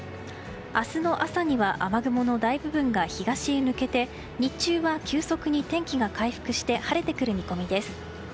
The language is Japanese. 明日の朝には雨雲の大部分が東へ抜けて日中は急速に天気が回復して晴れてくる見込みです。